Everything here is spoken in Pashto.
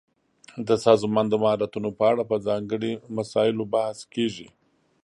د سازمان د مهارتونو په اړه په ځانګړي مسایلو بحث کیږي.